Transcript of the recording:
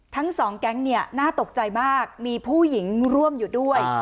ทั้งสองแก๊งเนี่ยน่าตกใจมากมีผู้หญิงร่วมอยู่ด้วย